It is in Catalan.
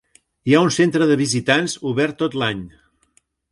Hi ha un centre de visitants obert tot l'any.